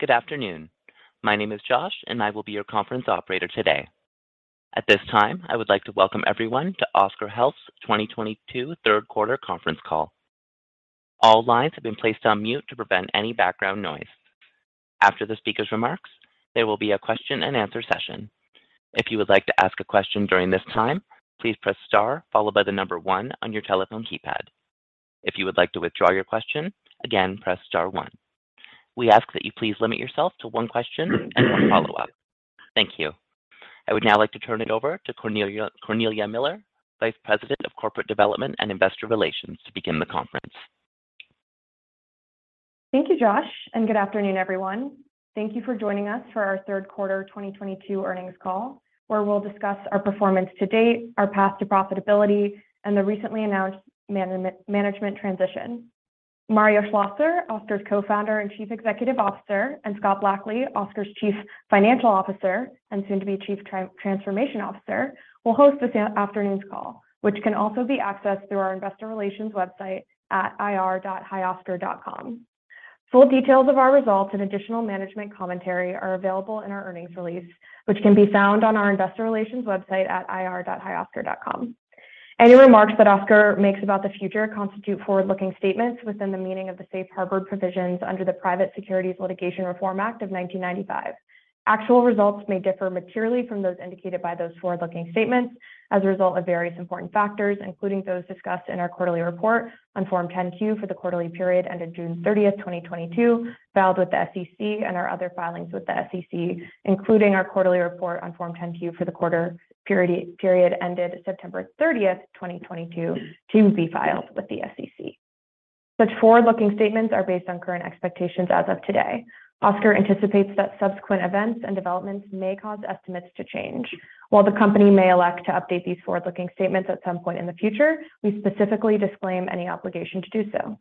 Good afternoon. My name is Josh, and I will be your conference operator today. At this time, I would like to welcome everyone to Oscar Health's 2022 third quarter conference call. All lines have been placed on mute to prevent any background noise. After the speaker's remarks, there will be a question and answer session. If you would like to ask a question during this time, please press star, followed by the number one on your telephone keypad. If you would like to withdraw your question, again, press star one. We ask that you please limit yourself to one question and one follow-up. Thank you. I would now like to turn it over to Cornelia Miller, Vice President of Corporate Development and Investor Relations, to begin the conference. Thank you, Josh, and good afternoon, everyone. Thank you for joining us for our third quarter 2022 earnings call, where we'll discuss our performance to date, our path to profitability, and the recently announced management transition. Mario Schlosser, Oscar's Co-founder and Chief Executive Officer, and Scott Blackley, Oscar's Chief Financial Officer, and soon to be Chief Transformation Officer, will host this afternoon's call, which can also be accessed through our investor relations website at ir.hioscar.com. Full details of our results and additional management commentary are available in our earnings release, which can be found on our investor relations website at ir.hioscar.com. Any remarks that Oscar makes about the future constitute forward-looking statements within the meaning of the safe harbor provisions under the Private Securities Litigation Reform Act of 1995. Actual results may differ materially from those indicated by those forward-looking statements as a result of various important factors, including those discussed in our quarterly report on Form 10-Q for the quarterly period ended June 30th, 2022, filed with the SEC, and our other filings with the SEC, including our quarterly report on Form 10-Q for the quarter period ended September 30th, 2022, to be filed with the SEC. Such forward-looking statements are based on current expectations as of today. Oscar anticipates that subsequent events and developments may cause estimates to change. While the company may elect to update these forward-looking statements at some point in the future, we specifically disclaim any obligation to do so.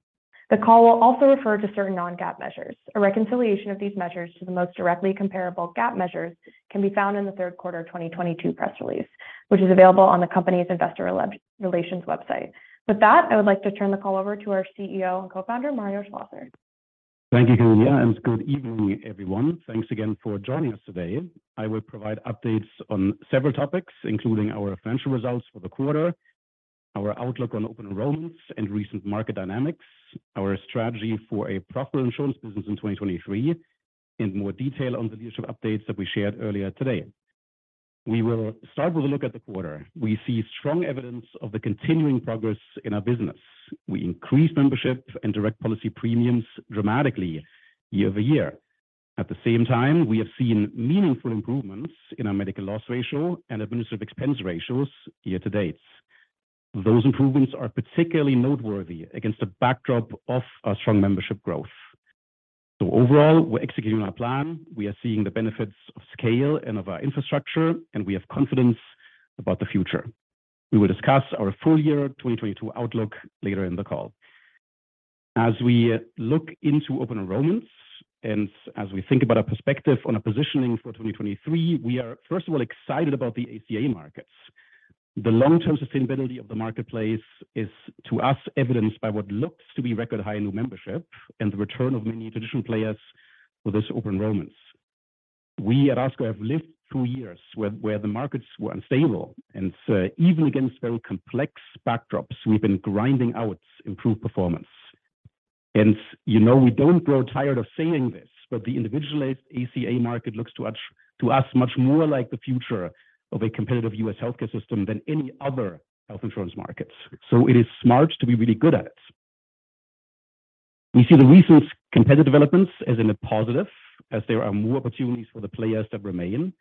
The call will also refer to certain non-GAAP measures. A reconciliation of these measures to the most directly comparable GAAP measures can be found in the third quarter 2022 press release, which is available on the company's investor relations website. With that, I would like to turn the call over to our CEO and Co-founder, Mario Schlosser. Thank you, Cornelia, and good evening, everyone. Thanks again for joining us today. I will provide updates on several topics, including our financial results for the quarter, our outlook on open enrollments and recent market dynamics, our strategy for a profitable insurance business in 2023, and more detail on the leadership updates that we shared earlier today. We will start with a look at the quarter. We see strong evidence of the continuing progress in our business. We increased membership and direct policy premiums dramatically year-over-year. At the same time, we have seen meaningful improvements in our medical loss ratio and administrative expense ratios year-to-date. Those improvements are particularly noteworthy against the backdrop of our strong membership growth. Overall, we're executing our plan. We are seeing the benefits of scale and of our infrastructure, and we have confidence about the future. We will discuss our full year 2022 outlook later in the call. As we look into open enrollments, and as we think about our perspective on our positioning for 2023, we are, first of all, excited about the ACA markets. The long-term sustainability of the marketplace is, to us, evidenced by what looks to be record high new membership and the return of many traditional players for this open enrollments. We at Oscar have lived two years where the markets were unstable, and even against very complex backdrops, we've been grinding out improved performance. You know we don't grow tired of saying this, but the individualized ACA market looks to us much more like the future of a competitive U.S. healthcare system than any other health insurance market. It is smart to be really good at it. We see the recent competitor developments as in a positive as there are more opportunities for the players that remain.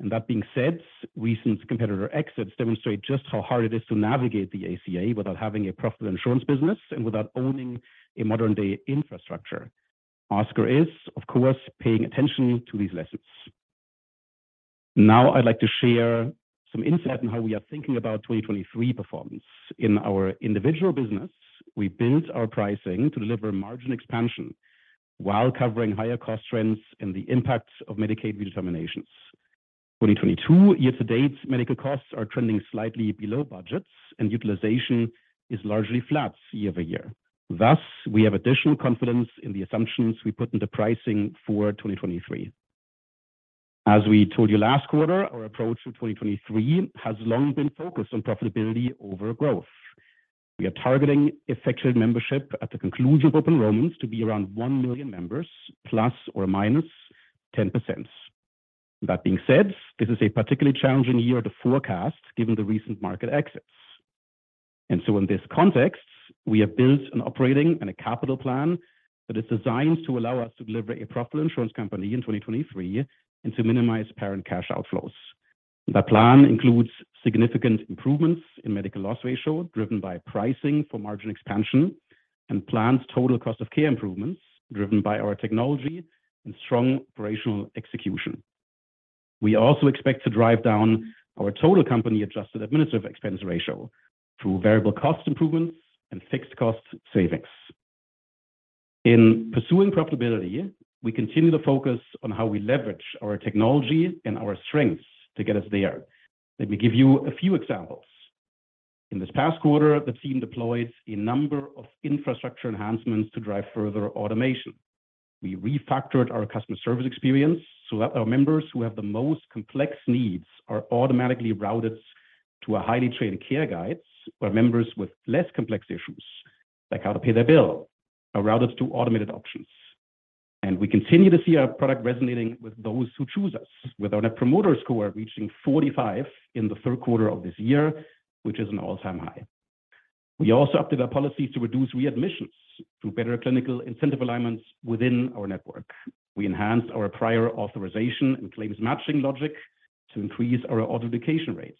That being said, recent competitor exits demonstrate just how hard it is to navigate the ACA without having a profitable insurance business and without owning a modern-day infrastructure. Oscar is, of course, paying attention to these lessons. Now, I'd like to share some insight on how we are thinking about 2023 performance. In our individual business, we built our pricing to deliver margin expansion while covering higher cost trends and the impact of Medicaid redeterminations. 2022 year-to-date medical costs are trending slightly below budgets and utilization is largely flat year-over-year. Thus, we have additional confidence in the assumptions we put in the pricing for 2023. As we told you last quarter, our approach to 2023 has long been focused on profitability over growth. We are targeting effective membership at the conclusion of open enrollments to be around 1 million members, ±10%. That being said, this is a particularly challenging year to forecast given the recent market exits. In this context, we have built an operating and a capital plan that is designed to allow us to deliver a profitable insurance company in 2023 and to minimize parent cash outflows. The plan includes significant improvements in medical loss ratio, driven by pricing for margin expansion, and plans total cost of care improvements driven by our technology and strong operational execution. We also expect to drive down our total company Adjusted administrative expense ratio through variable cost improvements and fixed cost savings. In pursuing profitability, we continue to focus on how we leverage our technology and our strengths to get us there. Let me give you a few examples. In this past quarter, the team deployed a number of infrastructure enhancements to drive further automation. We refactored our customer service experience so that our members who have the most complex needs are automatically routed to our highly trained care guides, where members with less complex issues, like how to pay their bill, are routed to automated options. We continue to see our product resonating with those who choose us. With our Net Promoter Score reaching 45 in the third quarter of this year, which is an all-time high. We also updated our policy to reduce readmissions through better clinical incentive alignments within our network. We enhanced our prior authorization and claims matching logic to increase our authentication rates.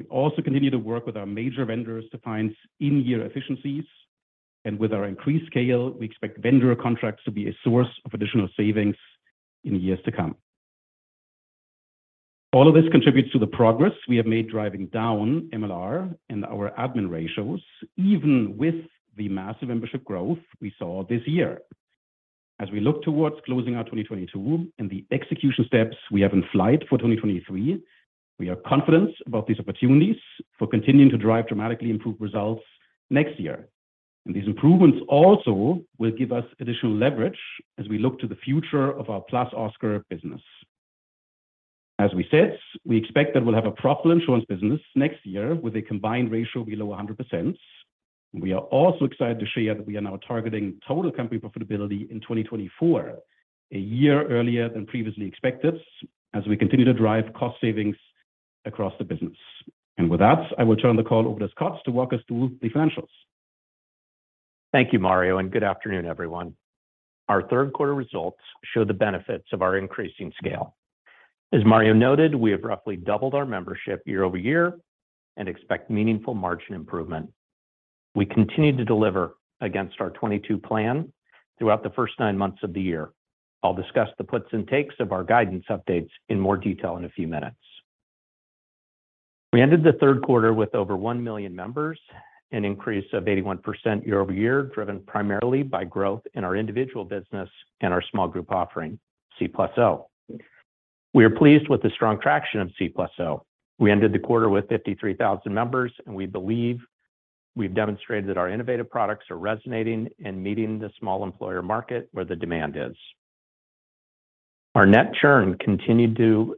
We also continue to work with our major vendors to find in-year efficiencies, and with our increased scale, we expect vendor contracts to be a source of additional savings in years to come. All of this contributes to the progress we have made driving down MLR and our admin ratios, even with the massive membership growth we saw this year. As we look towards closing out 2022 and the execution steps we have in flight for 2023, we are confident about these opportunities for continuing to drive dramatically improved results next year. These improvements also will give us additional leverage as we look to the future of our +Oscar business. As we said, we expect that we'll have a profitable insurance business next year with a combined ratio below 100%. We are also excited to share that we are now targeting total company profitability in 2024, a year earlier than previously expected, as we continue to drive cost savings across the business. With that, I will turn the call over to Scott to walk us through the financials. Thank you, Mario, and good afternoon, everyone. Our third quarter results show the benefits of our increasing scale. As Mario noted, we have roughly doubled our membership year-over-year and expect meaningful margin improvement. We continue to deliver against our 2022 plan throughout the first nine months of the year. I'll discuss the puts and takes of our guidance updates in more detail in a few minutes. We ended the third quarter with over 1 million members, an increase of 81% year-over-year, driven primarily by growth in our individual business and our small group offering, C+O. We are pleased with the strong traction of C+O. We ended the quarter with 53,000 members, and we believe we've demonstrated that our innovative products are resonating and meeting the small employer market where the demand is. Our net churn continued to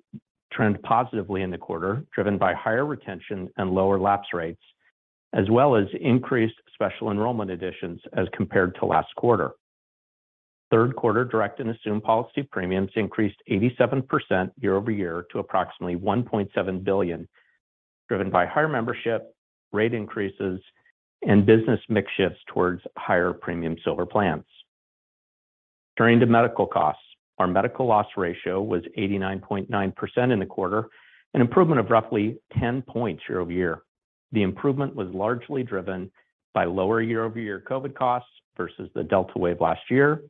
trend positively in the quarter, driven by higher retention and lower lapse rates, as well as increased special enrollment additions as compared to last quarter. Third quarter direct and assumed policy premiums increased 87% year-over-year to approximately $1.7 billion, driven by higher membership, rate increases, and business mix shifts towards higher premium silver plans. Turning to medical costs, our medical loss ratio was 89.9% in the quarter, an improvement of roughly 10 points year-over-year. The improvement was largely driven by lower year-over-year COVID costs versus the Delta wave last year,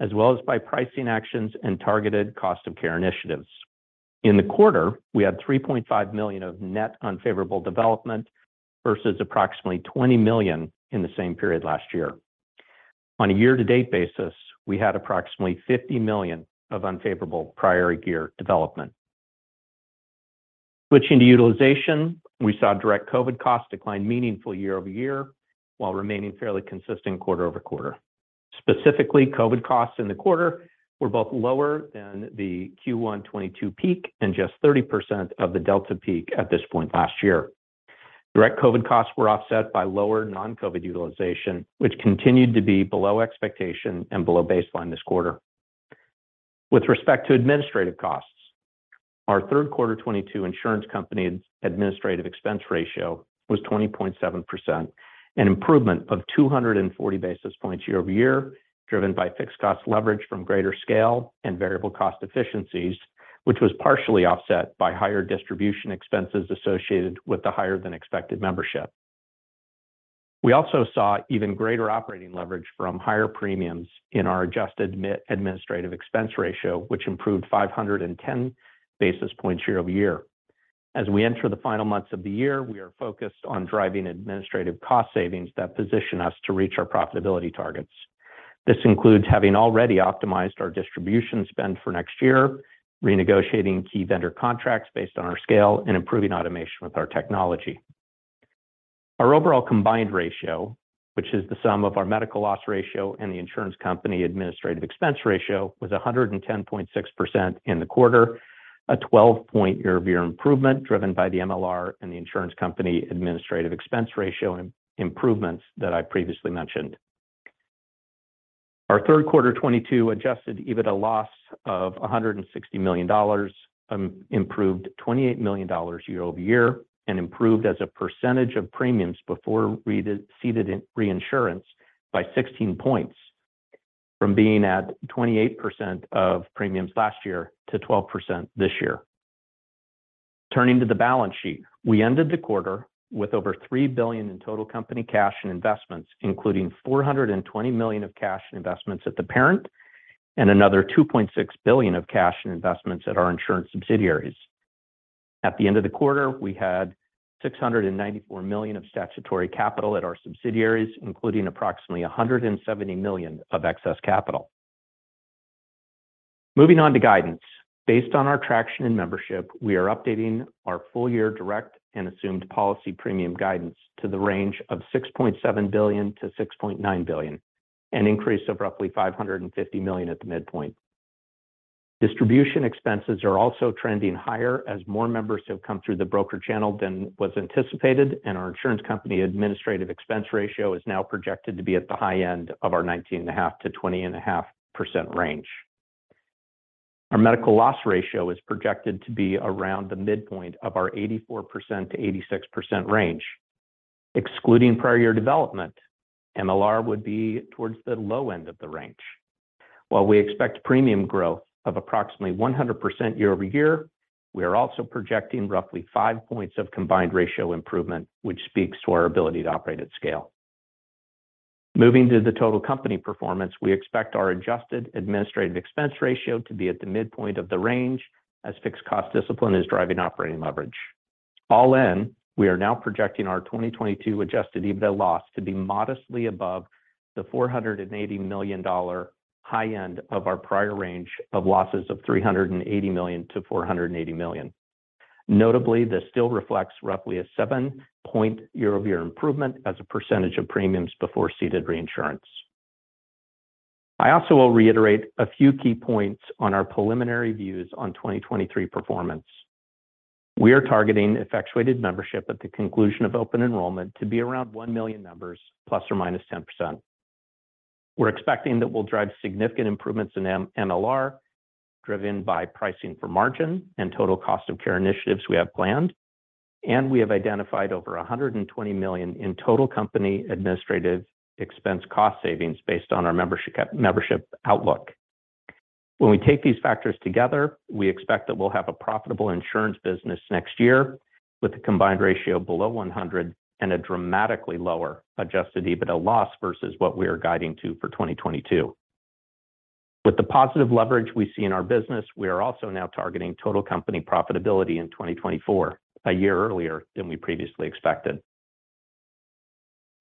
as well as by pricing actions and targeted cost of care initiatives. In the quarter, we had $3.5 million of net unfavorable development versus approximately $20 million in the same period last year. On a year-to-date basis, we had approximately $50 million of unfavorable prior year development. Switching to utilization, we saw direct COVID costs decline meaningfully year-over-year, while remaining fairly consistent quarter-over-quarter. Specifically, COVID costs in the quarter were both lower than the Q1 2022 peak and just 30% of the Delta peak at this point last year. Direct COVID costs were offset by lower non-COVID utilization, which continued to be below expectation and below baseline this quarter. With respect to administrative costs, our third quarter 2022 insurance company administrative expense ratio was 20.7%, an improvement of 240 basis points year-over-year, driven by fixed cost leverage from greater scale and variable cost efficiencies, which was partially offset by higher distribution expenses associated with the higher than expected membership. We also saw even greater operating leverage from higher premiums in our Adjusted administrative expense ratio, which improved 510 basis points year-over-year. As we enter the final months of the year, we are focused on driving administrative cost savings that position us to reach our profitability targets. This includes having already optimized our distribution spend for next year, renegotiating key vendor contracts based on our scale, and improving automation with our technology. Our overall combined ratio, which is the sum of our medical loss ratio and the insurance company administrative expense ratio, was 110.6% in the quarter, a 12-point year-over-year improvement driven by the MLR and the insurance company administrative expense ratio improvements that I previously mentioned. Our third quarter 2022 Adjusted EBITDA loss of $160 million, improved $28 million year-over-year, and improved as a percentage of premiums before ceded reinsurance by 16 points from being at 28% of premiums last year to 12% this year. Turning to the balance sheet, we ended the quarter with over $3 billion in total company cash and investments, including $420 million of cash and investments at the parent and another $2.6 billion of cash and investments at our insurance subsidiaries. At the end of the quarter, we had $694 million of statutory capital at our subsidiaries, including approximately $170 million of excess capital. Moving on to guidance. Based on our traction and membership, we are updating our full year direct and assumed policy premium guidance to the range of $6.7 billion-$6.9 billion, an increase of roughly $550 million at the midpoint. Distribution expenses are also trending higher as more members have come through the broker channel than was anticipated, and our insurance company administrative expense ratio is now projected to be at the high end of our 19.5%-20.5% range. Our medical loss ratio is projected to be around the midpoint of our 84%-86% range. Excluding prior year development, MLR would be towards the low end of the range. While we expect premium growth of approximately 100% year-over-year, we are also projecting roughly five points of combined ratio improvement, which speaks to our ability to operate at scale. Moving to the total company performance, we expect our adjusted administrative expense ratio to be at the midpoint of the range as fixed cost discipline is driving operating leverage. All in, we are now projecting our 2022 Adjusted EBITDA loss to be modestly above the $480 million high end of our prior range of losses of $380 million-$480 million. Notably, this still reflects roughly a seven-point year-over-year improvement as a percentage of premiums before ceded reinsurance. I also will reiterate a few key points on our preliminary views on 2023 performance. We are targeting effectuated membership at the conclusion of open enrollment to be around 1 million members, ±10%. We're expecting that we'll drive significant improvements in MLR, driven by pricing for margin and total cost of care initiatives we have planned, and we have identified over $120 million in total company administrative expense cost savings based on our membership outlook. When we take these factors together, we expect that we'll have a profitable insurance business next year with a combined ratio below 100% and a dramatically lower Adjusted EBITDA loss versus what we are guiding to for 2022. With the positive leverage we see in our business, we are also now targeting total company profitability in 2024, a year earlier than we previously expected.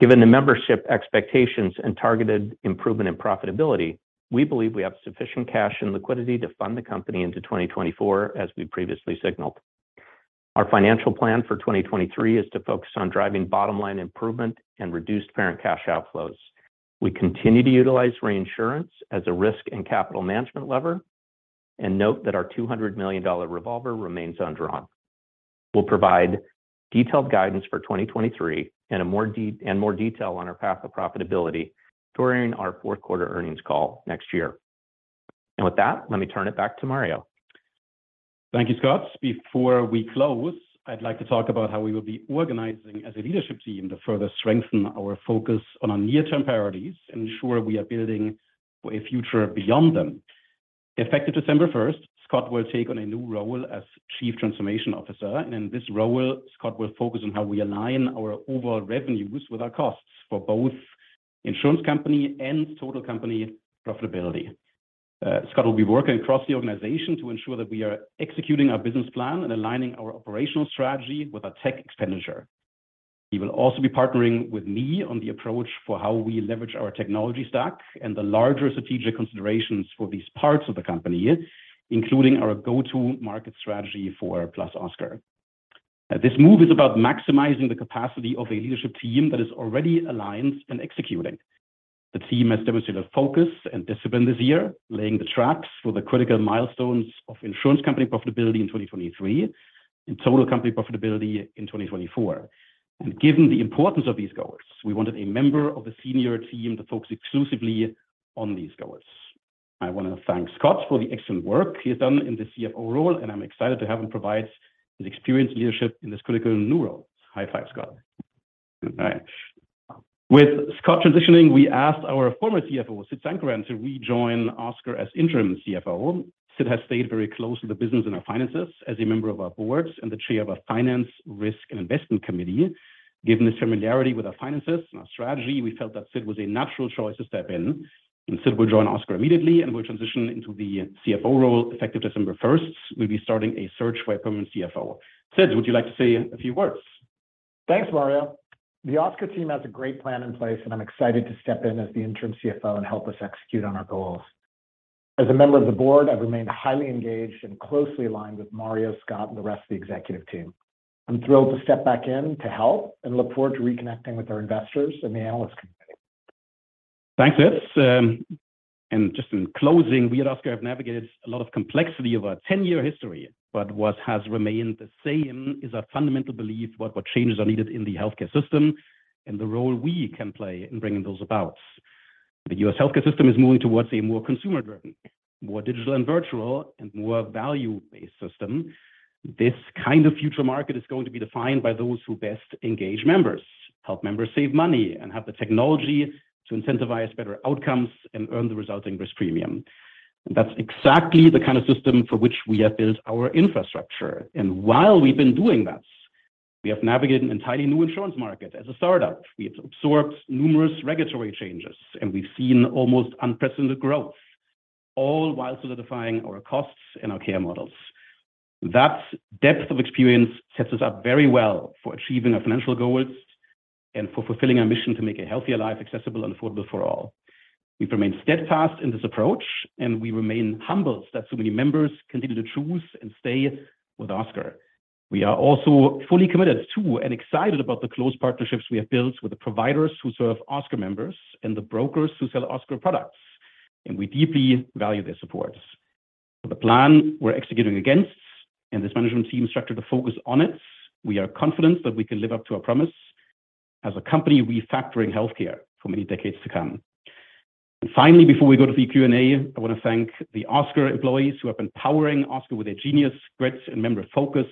Given the membership expectations and targeted improvement in profitability, we believe we have sufficient cash and liquidity to fund the company into 2024, as we previously signaled. Our financial plan for 2023 is to focus on driving bottom-line improvement and reduced parent cash outflows. We continue to utilize reinsurance as a risk and capital management lever, and note that our $200 million revolver remains undrawn. We'll provide detailed guidance for 2023 and more detail on our path to profitability during our fourth quarter earnings call next year. With that, let me turn it back to Mario. Thank you, Scott. Before we close, I'd like to talk about how we will be organizing as a leadership team to further strengthen our focus on our near-term priorities, ensure we are building for a future beyond them. Effective December 1st, Scott will take on a new role as chief transformation officer, and in this role, Scott will focus on how we align our overall revenues with our costs for both insurance company and total company profitability. Scott will be working across the organization to ensure that we are executing our business plan and aligning our operational strategy with our tech expenditure. He will also be partnering with me on the approach for how we leverage our technology stack and the larger strategic considerations for these parts of the company, including our go-to-market strategy for +Oscar. This move is about maximizing the capacity of a leadership team that is already aligned and executing. The team has demonstrated focus and discipline this year, laying the tracks for the critical milestones of insurance company profitability in 2023 and total company profitability in 2024. Given the importance of these goals, we wanted a member of the senior team to focus exclusively on these goals. I want to thank Scott for the excellent work he has done in the CFO role, and I'm excited to have him provide his experienced leadership in this critical new role. High five, Scott. All right. With Scott transitioning, we asked our former CFO, Sid Sankaran, to rejoin Oscar as interim CFO. Sid has stayed very close to the business and our finances as a member of our boards and the Chair of our Finance, Risk, and Investment Committee. Given his familiarity with our finances and our strategy, we felt that Sid was a natural choice to step in. Sid will join Oscar immediately and will transition into the CFO role effective December 1st. We'll be starting a search for a permanent CFO. Sid, would you like to say a few words? Thanks, Mario. The Oscar team has a great plan in place. I'm excited to step in as the interim CFO and help us execute on our goals. As a member of the board, I've remained highly engaged and closely aligned with Mario, Scott, and the rest of the executive team. I'm thrilled to step back in to help and look forward to reconnecting with our investors and the analyst community. Thanks, Sid. Just in closing, we at Oscar have navigated a lot of complexity over our 10-year history. What has remained the same is our fundamental belief about what changes are needed in the healthcare system and the role we can play in bringing those about. The U.S. healthcare system is moving towards a more consumer-driven, more digital and virtual, and more value-based system. This kind of future market is going to be defined by those who best engage members, help members save money, and have the technology to incentivize better outcomes and earn the resulting risk premium. That's exactly the kind of system for which we have built our infrastructure. While we've been doing that, we have navigated an entirely new insurance market as a startup. We have absorbed numerous regulatory changes, and we've seen almost unprecedented growth, all while solidifying our costs and our care models. That depth of experience sets us up very well for achieving our financial goals and for fulfilling our mission to make a healthier life accessible and affordable for all. We remain steadfast in this approach, and we remain humbled that so many members continue to choose and stay with Oscar. We are also fully committed to and excited about the close partnerships we have built with the providers who serve Oscar members and the brokers who sell Oscar products, and we deeply value their support. For the plan we're executing against, and this management team is structured to focus on it, we are confident that we can live up to our promise as a company refactoring healthcare for many decades to come. Finally, before we go to the Q&A, I want to thank the Oscar employees who have been powering Oscar with their genius, grit, and member focus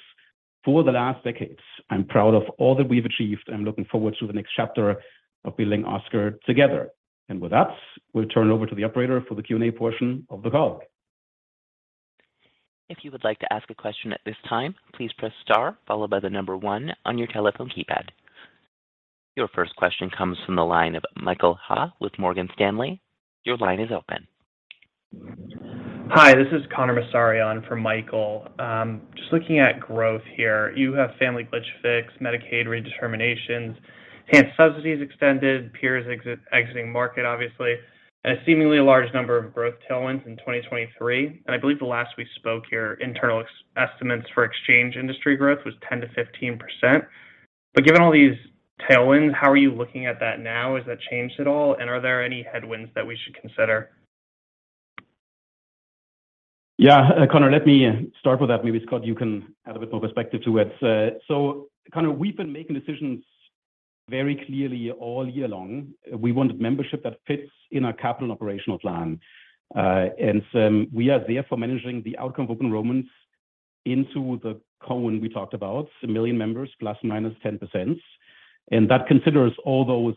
for the last decade. I'm proud of all that we've achieved, and I'm looking forward to the next chapter of building Oscar together. With that, we'll turn over to the operator for the Q&A portion of the call. If you would like to ask a question at this time, please press star, followed by the number 1 on your telephone keypad. Your first question comes from the line of Michael Ha with Morgan Stanley. Your line is open. Hi, this is Connor Massarian for Michael. Just looking at growth here. You have family glitch fix, Medicaid redeterminations, enhanced subsidies extended, peers exiting market, obviously, and a seemingly large number of growth tailwinds in 2023, and I believe the last we spoke here, internal estimates for exchange industry growth was 10%-15%. Given all these tailwinds, how are you looking at that now? Has that changed at all, and are there any headwinds that we should consider? Yeah. Connor, let me start with that. Maybe, Scott, you can add a bit more perspective to it. Connor, we've been making decisions very clearly all year long. We wanted membership that fits in our capital and operational plan. We are therefore managing the outcome of open enrollments into the cone we talked about, 1 million members, ±10%. That considers all those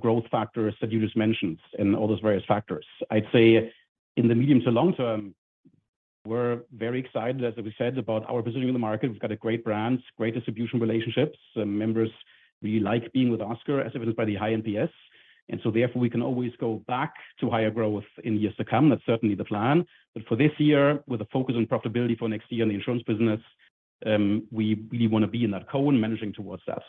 growth factors that you just mentioned and all those various factors. I'd say in the medium to long term, we're very excited, as we said, about our position in the market. We've got a great brand, great distribution relationships. Members really like being with Oscar, as evidenced by the high NPS, therefore, we can always go back to higher growth in years to come. That's certainly the plan. For this year, with a focus on profitability for next year in the insurance business, we really want to be in that cone, managing towards that.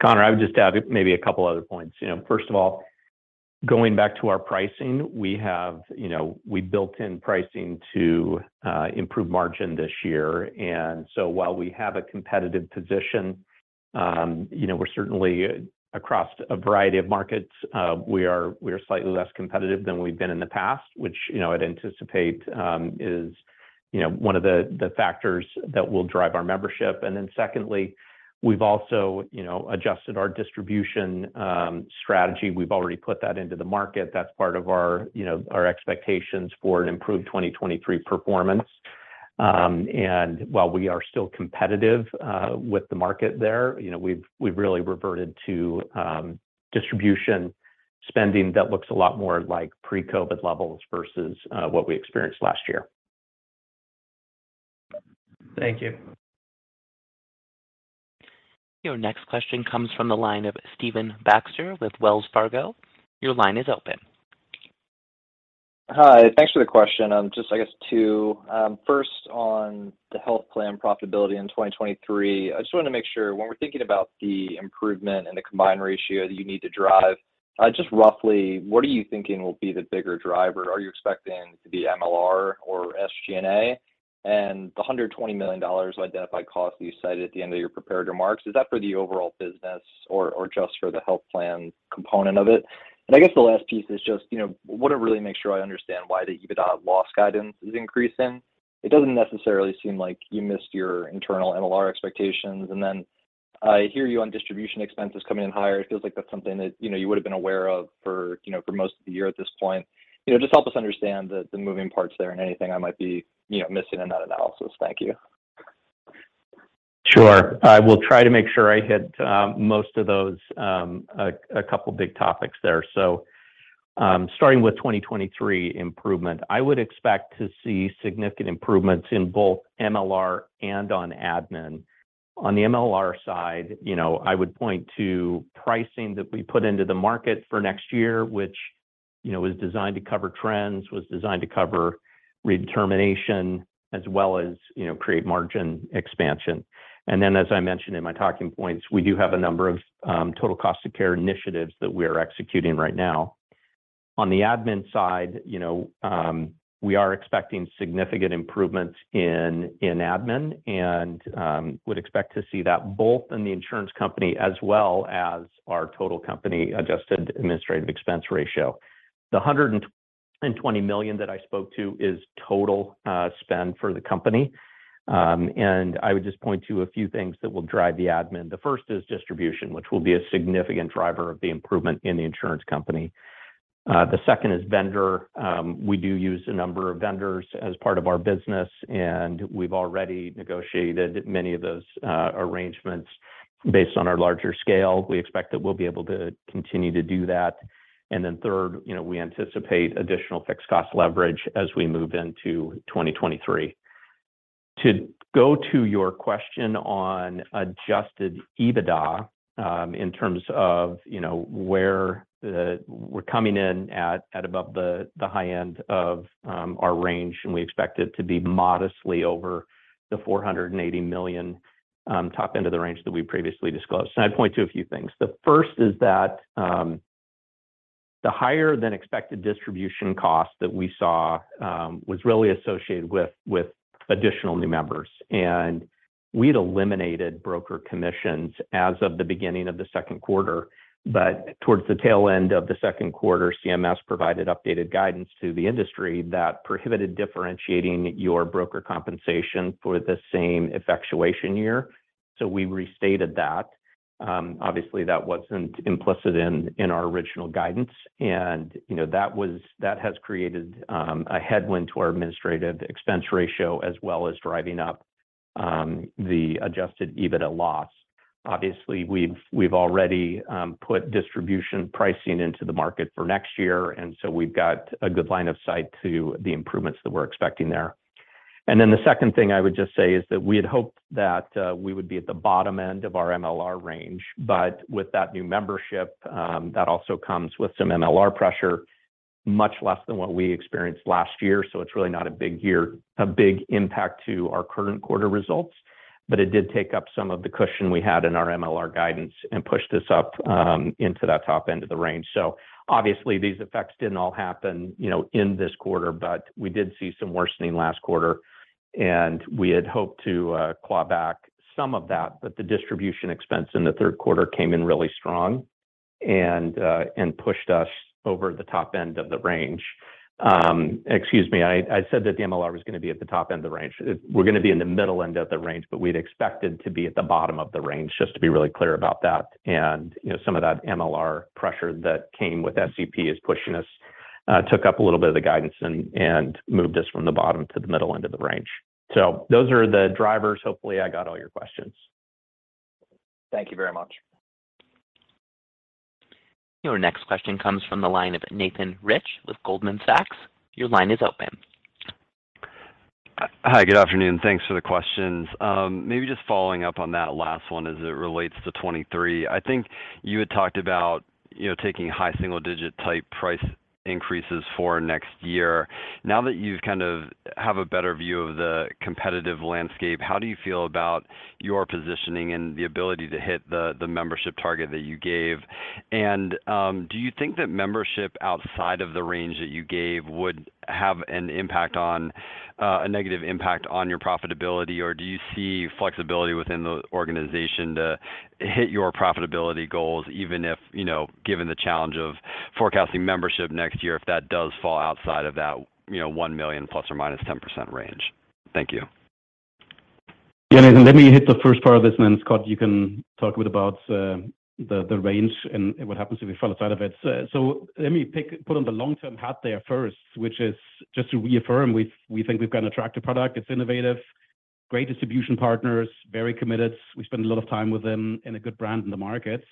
Connor, I would just add maybe a couple other points. First of all, going back to our pricing, we built in pricing to improve margin this year, while we have a competitive position, we're certainly across a variety of markets. We are slightly less competitive than we've been in the past, which I'd anticipate is one of the factors that will drive our membership. Secondly, we've also adjusted our distribution strategy. We've already put that into the market. That's part of our expectations for an improved 2023 performance. While we are still competitive with the market there, we've really reverted to distribution spending that looks a lot more like pre-COVID levels versus what we experienced last year. Thank you. Your next question comes from the line of Stephen Baxter with Wells Fargo. Your line is open. Hi. Thanks for the question. Just, I guess two. First, on the health plan profitability in 2023, I just wanted to make sure when we're thinking about the improvement and the combined ratio that you need to drive, just roughly what are you thinking will be the bigger driver? Are you expecting it to be MLR or SG&A? The $120 million of identified costs you cited at the end of your prepared remarks, is that for the overall business or just for the health plan component of it? I guess the last piece is just, I want to really make sure I understand why the EBITDA loss guidance is increasing. It doesn't necessarily seem like you missed your internal MLR expectations. I hear you on distribution expenses coming in higher. It feels like that's something that you would've been aware of for most of the year at this point. Just help us understand the moving parts there and anything I might be missing in that analysis. Thank you. Sure. I will try to make sure I hit most of those. A couple big topics there. Starting with 2023 improvement, I would expect to see significant improvements in both MLR and on admin. On the MLR side, I would point to pricing that we put into the market for next year, which was designed to cover trends, was designed to cover redetermination, as well as create margin expansion. Then, as I mentioned in my talking points, we do have a number of total cost of care initiatives that we are executing right now. On the admin side, we are expecting significant improvements in admin, and would expect to see that both in the insurance company as well as our total company adjusted administrative expense ratio. The $120 million that I spoke to is total spend for the company. I would just point to a few things that will drive the admin. The first is distribution, which will be a significant driver of the improvement in the InsureCo. The second is vendor. We do use a number of vendors as part of our business, and we've already negotiated many of those arrangements based on our larger scale. We expect that we'll be able to continue to do that. Third, we anticipate additional fixed cost leverage as we move into 2023. To go to your question on Adjusted EBITDA, in terms of where we're coming in at above the high end of our range, we expect it to be modestly over the $480 million top end of the range that we previously disclosed. I'd point to a few things. The first is that the higher than expected distribution cost that we saw was really associated with additional new members. We'd eliminated broker commissions as of the beginning of the second quarter, but towards the tail end of the second quarter, CMS provided updated guidance to the industry that prohibited differentiating your broker compensation for the same effectuation year. We restated that. Obviously, that wasn't implicit in our original guidance, and that has created a headwind to our administrative expense ratio, as well as driving up the Adjusted EBITDA loss. Obviously, we've already put distribution pricing into the market for next year, we've got a good line of sight to the improvements that we're expecting there. The second thing I would just say is that we had hoped that we would be at the bottom end of our MLR range, but with that new membership, that also comes with some MLR pressure, much less than what we experienced last year, it's really not a big impact to our current quarter results. It did take up some of the cushion we had in our MLR guidance and pushed us up into that top end of the range. Obviously, these effects didn't all happen in this quarter, but we did see some worsening last quarter, and we had hoped to claw back some of that. The distribution expense in the third quarter came in really strong and pushed us over the top end of the range. Excuse me, I said that the MLR was going to be at the top end of the range. We're going to be in the middle end of the range, but we'd expected to be at the bottom of the range, just to be really clear about that. Some of that MLR pressure that came with SEP is pushing us, took up a little bit of the guidance and moved us from the bottom to the middle end of the range. Those are the drivers. Hopefully, I got all your questions. Thank you very much. Your next question comes from the line of Nathan Rich with Goldman Sachs. Your line is open. Hi, good afternoon. Thanks for the questions. Maybe just following up on that last one as it relates to 2023. You had talked about taking high single digit type price increases for next year. Now that you kind of have a better view of the competitive landscape, how do you feel about your positioning and the ability to hit the membership target that you gave? Do you think that membership outside of the range that you gave would have a negative impact on your profitability, or do you see flexibility within the organization to hit your profitability goals even if, given the challenge of forecasting membership next year, if that does fall outside of that 1 million ±10% range? Thank you. Yeah, Nathan, let me hit the first part of this, and then Scott, you can talk a bit about the range and what happens if we fall outside of it. Let me put on the long-term hat there first, which is just to reaffirm, we think we've got an attractive product. It's innovative, great distribution partners, very committed. We spend a lot of time with them, and a good brand in the markets.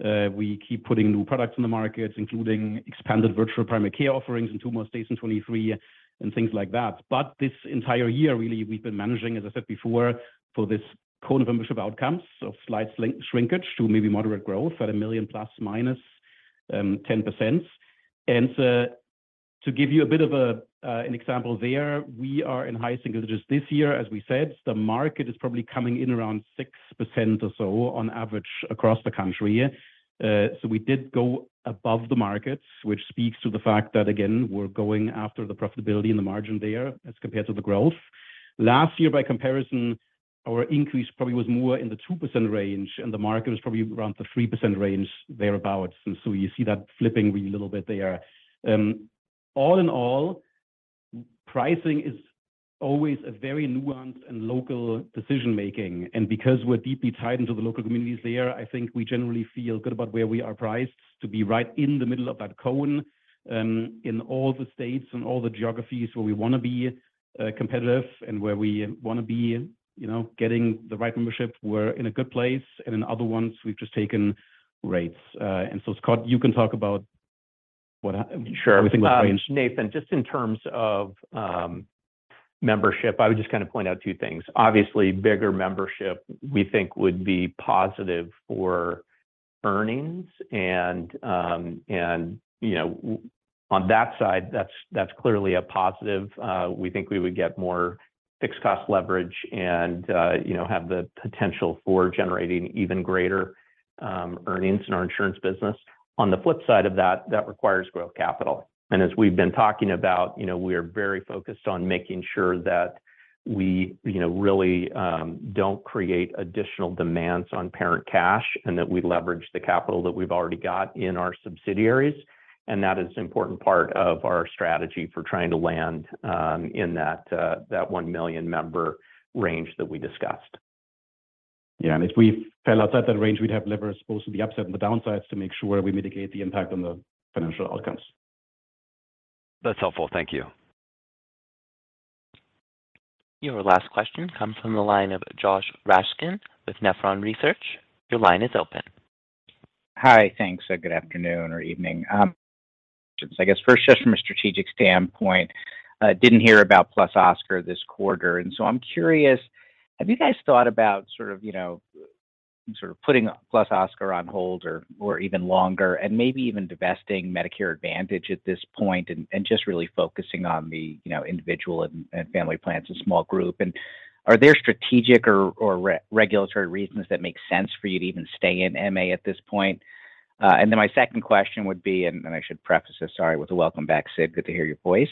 We keep putting new products in the markets, including expanded virtual primary care offerings in two more states in 2023, and things like that. This entire year, really, we've been managing, as I said before, for this cone of membership outcomes of slight shrinkage to maybe moderate growth at 1 million ±10%. To give you a bit of an example there, we are in high single digits this year, as we said. The market is probably coming in around 6% or so on average across the country. We did go above the markets, which speaks to the fact that, again, we're going after the profitability and the margin there as compared to the growth. Last year, by comparison, our increase probably was more in the 2% range, and the market was probably around the 3% range, thereabout. You see that flipping a little bit there. All in all, pricing is always a very nuanced and local decision-making, and because we're deeply tied into the local communities there, I think we generally feel good about where we are priced to be right in the middle of that cone. In all the states and all the geographies where we want to be competitive and where we want to be getting the right membership, we're in a good place, and in other ones, we've just taken rates. Scott, you can talk about everything with range. Sure. Nathan, just in terms of membership, I would just kind of point out two things. Obviously, bigger membership, we think, would be positive for earnings, and on that side, that's clearly a positive. We think we would get more fixed cost leverage and have the potential for generating even greater earnings in our insurance business. As we've been talking about, we are very focused on making sure that we really don't create additional demands on parent cash and that we leverage the capital that we've already got in our subsidiaries. That is an important part of our strategy for trying to land in that 1 million member range that we discussed. Yeah, if we fell outside that range, we'd have levers both to the upside and the downsides to make sure we mitigate the impact on the financial outcomes. That's helpful. Thank you. Your last question comes from the line of Josh Raskin with Nephron Research. Your line is open. Hi. Thanks. Good afternoon or evening. I guess first, just from a strategic standpoint, didn't hear about +Oscar this quarter. I'm curious, have you guys thought about putting +Oscar on hold or even longer, maybe even divesting Medicare Advantage at this point and just really focusing on the Individual & Family Plans and small group? Are there strategic or regulatory reasons that make sense for you to even stay in MA at this point? My second question would be, and I should preface this, sorry, with a welcome back, Sid, good to hear your voice.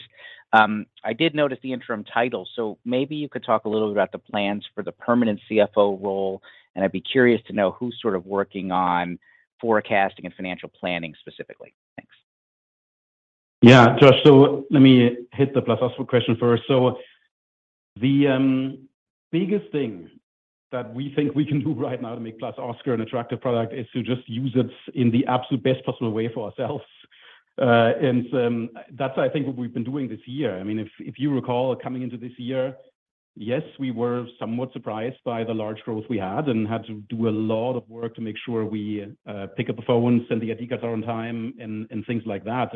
I did notice the interim title, so maybe you could talk a little bit about the plans for the permanent CFO role, and I'd be curious to know who's working on forecasting and financial planning specifically. Thanks. Yeah, Josh, let me hit the +Oscar question first. The biggest thing that we think we can do right now to make +Oscar an attractive product is to just use it in the absolute best possible way for ourselves. That's, I think, what we've been doing this year. If you recall, coming into this year, yes, we were somewhat surprised by the large growth we had had to do a lot of work to make sure we pick up the phone, send the ETAs on time, things like that,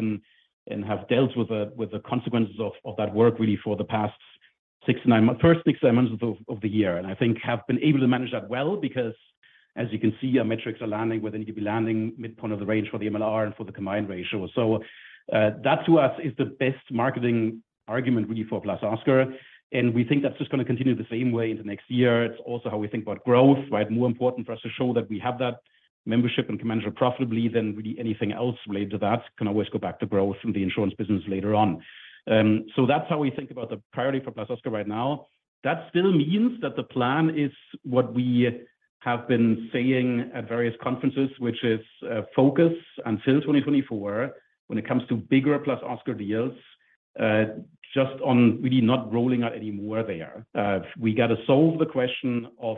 have dealt with the consequences of that work, really, for the first six to nine months of the year. I think have been able to manage that well because, as you can see, our metrics are landing where they need to be landing, midpoint of the range for the MLR and for the combined ratio. That to us is the best marketing argument, really, for +Oscar, and we think that's just going to continue the same way into next year. It's also how we think about growth, right? More important for us to show that we have that membership and can manage it profitably than really anything else related to that. Can always go back to growth in the insurance business later on. That's how we think about the priority for +Oscar right now. That still means that the plan is what we have been saying at various conferences, which is focus until 2024 when it comes to bigger +Oscar deals, just on really not rolling out any more there. We got to solve the question of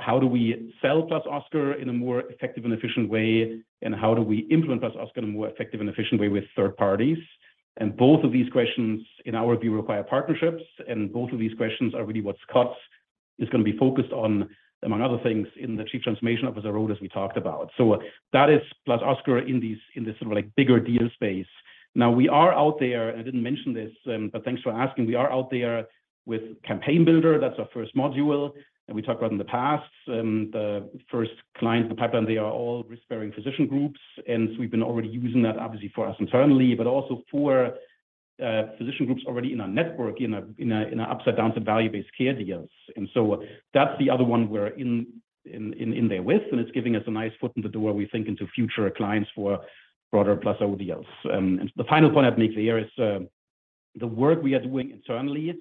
how do we sell +Oscar in a more effective and efficient way, and how do we implement +Oscar in a more effective and efficient way with third parties? Both of these questions, in our view, require partnerships, and both of these questions are really what Scott is going to be focused on, among other things, in the Chief Transformation Officer role, as we talked about. That is +Oscar in this sort of bigger deal space. Now we are out there, and I didn't mention this, but thanks for asking. We are out there with Campaign Builder. That's our first module that we talked about in the past. The first clients in the pipeline, they are all risk-bearing physician groups, and we've been already using that obviously for us internally, but also for physician groups already in our network, in our upside/downside value-based care deals. That's the other one we're in there with, and it's giving us a nice foot in the door, we think, into future clients for broader +Oscar deals. The final point I'd make there is the work we are doing internally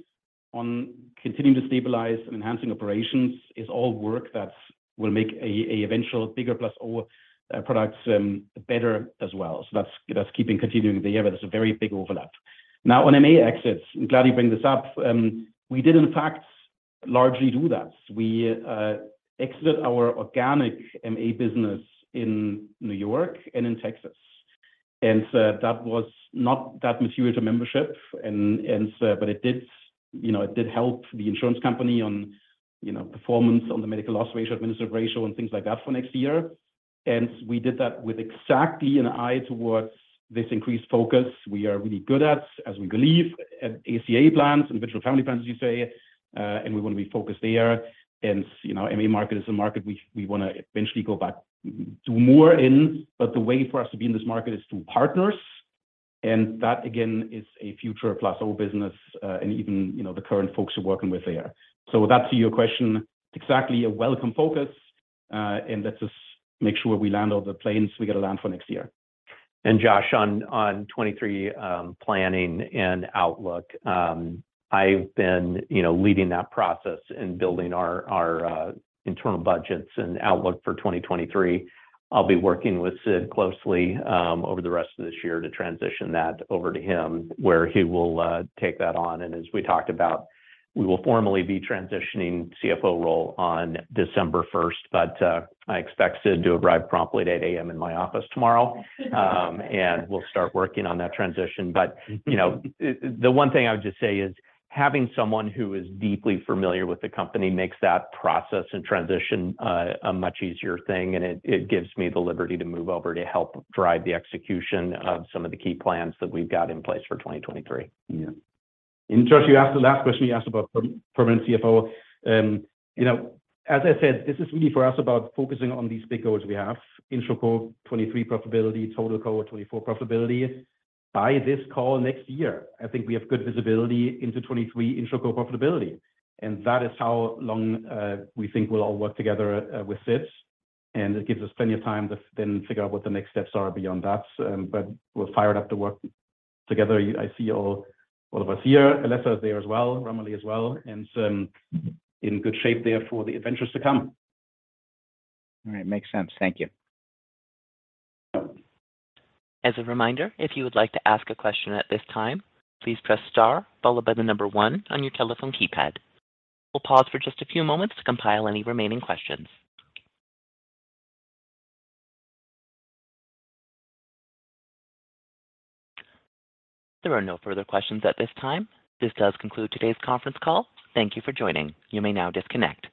on continuing to stabilize and enhancing operations is all work that will make eventual bigger +Oscar products better as well. That's keeping continuing the year, but there's a very big overlap. Now on MA exits, I'm glad you bring this up. We did in fact largely do that. We exited our organic MA business in New York and in Texas, that was not that material to membership, but it did help the insurance company on performance on the medical loss ratio, administrative ratio, and things like that for next year. We did that with exactly an eye towards this increased focus. We are really good at, as we believe, at ACA plans, Individual & Family Plans, as you say, and we want to be focused there. MA market is a market we want to eventually go back to more in, but the way for us to be in this market is through partners, and that, again, is a future +Oscar business, and even the current folks we're working with there. That, to your question, exactly a welcome focus, let's just make sure we land all the planes we got to land for next year. Josh, on 2023 planning and outlook, I've been leading that process and building our internal budgets and outlook for 2023. I'll be working with Sid closely over the rest of this year to transition that over to him, where he will take that on. As we talked about, we will formally be transitioning CFO role on December 1st. I expect Sid to arrive promptly at 8:00 A.M. in my office tomorrow, we'll start working on that transition. The one thing I would just say is having someone who is deeply familiar with the company makes that process and transition a much easier thing, it gives me the liberty to move over to help drive the execution of some of the key plans that we've got in place for 2023. Yeah. Josh, you asked the last question, you asked about permanent CFO. As I said, this is really for us about focusing on these big goals we have. InsureCo 2023 profitability, Total Co 2024 profitability. By this call next year, I think we have good visibility into 2023 InsureCo profitability, that is how long we think we'll all work together with Sid, it gives us plenty of time to then figure out what the next steps are beyond that. We're fired up to work together. I see all of us here. Alessa is there as well, Romilly as well, in good shape there for the adventures to come. All right. Makes sense. Thank you. As a reminder, if you would like to ask a question at this time, please press star followed by the number 1 on your telephone keypad. We'll pause for just a few moments to compile any remaining questions. There are no further questions at this time. This does conclude today's conference call. Thank you for joining. You may now disconnect.